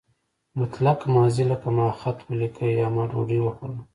مطلق ماضي لکه ما خط ولیکه یا ما ډوډۍ وخوړه.